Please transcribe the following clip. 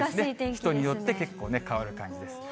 人によって、結構変わる感じです。